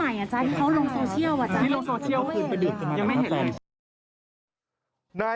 เพราะลงโซเชียล